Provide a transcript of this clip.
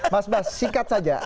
mas bas singkat saja